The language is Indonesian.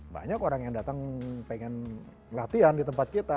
banyak orang yang datang pengen latihan di tempat kita